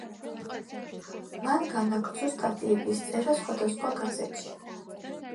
მან განაგრძო სტატიების წერა სხვადასხვა გაზეთში.